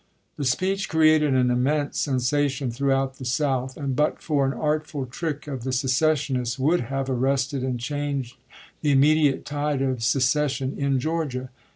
The speech created an immense sensation throughout the South, and but for an artful trick of the secessionists would have arrested and changed the immediate tide of secession in Georgia.